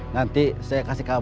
nanti saya kasih kabar